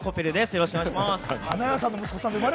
よろしくお願いします。